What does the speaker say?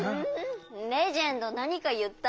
レジェンドなにかいった？